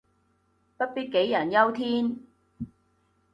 不必杞人憂天